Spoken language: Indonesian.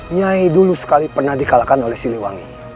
nyai dulu sekali pernah dikalahkan oleh siliwangi